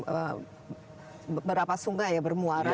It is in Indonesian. beberapa sungai bermuara